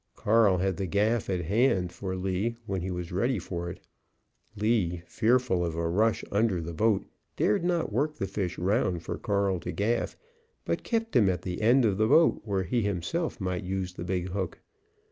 Carl had the gaff at hand for Lee when he was ready for it. Lee, fearful of a rush under the boat, dared not work the fish round for Carl to gaff, but kept him at the end of the boat where he himself might use the big hook.